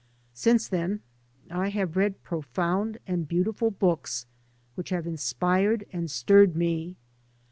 Since theti I have read profound and beau tiful books which have inspired and stirred me.